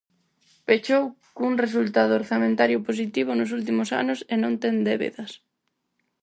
Pechou cun resultado orzamentario positivo nos últimos anos e non ten débedas.